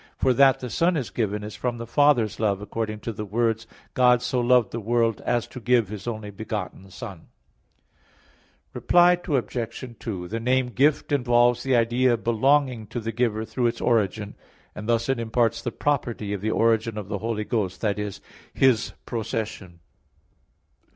For that the Son is given is from the Father's love, according to the words, "God so loved the world, as to give His only begotten Son" (John 3:16). Reply Obj. 2: The name Gift involves the idea of belonging to the Giver through its origin; and thus it imports the property of the origin of the Holy Ghost that is, His procession.